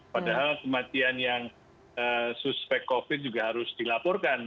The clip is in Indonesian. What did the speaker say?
padahal kematian yang suspek covid juga harus dilaporkan